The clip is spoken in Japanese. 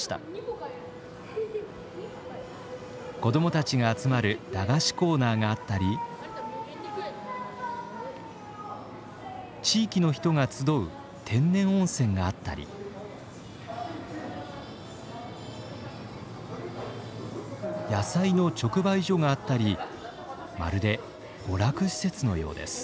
子どもたちが集まる駄菓子コーナーがあったり地域の人が集う天然温泉があったり野菜の直売所があったりまるで娯楽施設のようです。